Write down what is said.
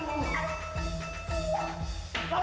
aduh siapa lagi adumu